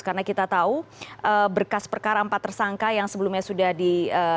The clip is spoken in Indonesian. karena kita tahu berkas perkarampat tersangka yang sebelumnya sudah ditemukan